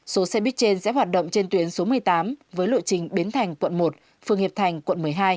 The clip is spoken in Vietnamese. số xe buýt trên sẽ hoạt động trên tuyến số một mươi tám với lộ trình biến thành quận một phường hiệp thành quận một mươi hai